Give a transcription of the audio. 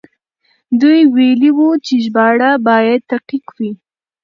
دوی ويلي وو چې ژباړه بايد دقيق وي.